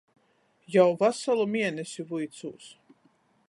Jau vasalu mienesi vuicūs!